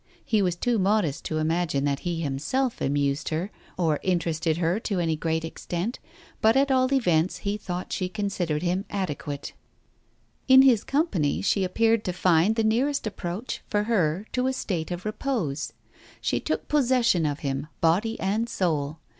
He was too modest to imagine that he himself amused her or interested her to any great extent, but at all events, he thought she considered him adequate, In his corn Digitized by Google THE TIGER SKIN 267 pany, she appeared to find the nearest approach, for her, to a state of repose. She took possession of him, body and soul.